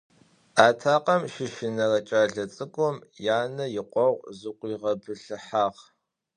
Атакъэм щыщынэрэ кӀэлэ цӀыкӀум янэ икъогъу зыкъуигъэбылъыхьагъ.